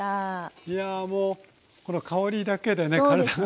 いやもうこの香りだけでね。